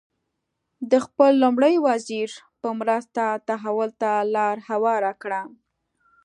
د خپل لومړي وزیر په مرسته تحول ته لار هواره کړه.